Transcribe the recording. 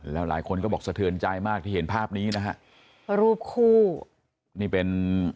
แล้วหลายคนก็บอกสะเทือนใจมากที่เห็นภาพนี้นะฮะรูปคู่นี่เป็น